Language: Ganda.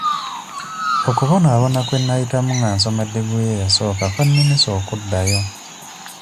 Okubonaabona kwe nayitamu nga nsoma ddiguli eyasooka kwannemesa okuddayo.